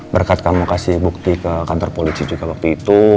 berkat kamu kasih bukti ke kantor polisi juga waktu itu